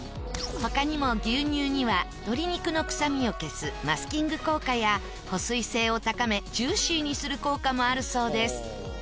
他にも牛乳には鶏肉のくさみを消すマスキング効果や保水性を高めジューシーにする効果もあるそうです。